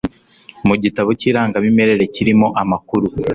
mu gitabo cy irangamimerere kirimo amakuru